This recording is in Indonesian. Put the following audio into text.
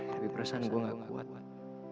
tapi perasaan gua gak kuat